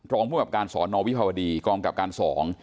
รองกรรมการสอนนวิภาวดีกรองกรรมการสอง